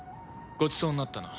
ごちそうになったな。